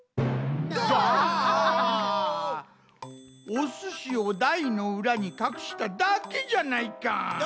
おすしをだいのうらにかくしただけじゃないか。